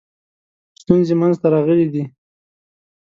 ستونزې منځته راغلي دي.